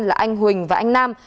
là anh huỳnh và anh nam